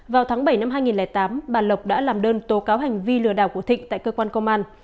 vào tháng bảy năm hai nghìn tám bà lộc đã làm đơn tố cáo hành vi lừa đảo của thịnh tại cơ quan công an